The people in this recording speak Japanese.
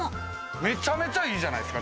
めちゃめちゃいいじゃないですか。